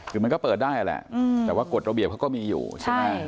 คือมันก็เปิดได้แหละแต่ว่ากฎระเบียบเขาก็มีอยู่ใช่ไหม